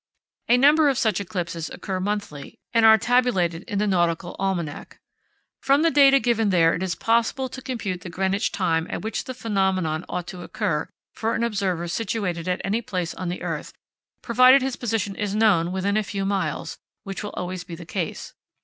A number of such eclipses occur monthly, and are tabulated in the "Nautical Almanac." From the data given there it is possible to compute the Greenwich time at which the phenomenon ought to occur for an observer situated at any place on the earth, provided his position is known within a few miles, which will always be the case.